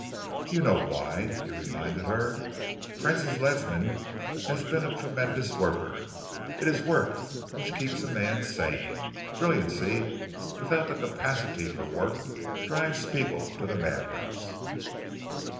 "You know why?" he reminded her. "Francis Ledsam has been a tremendous worker. It is work which keeps a man sane. Brilliancy without the capacity for work drives people to the madhouse."